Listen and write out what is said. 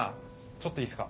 ちょっといいですか？